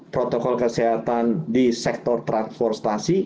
protokol kesehatan di sektor transportasi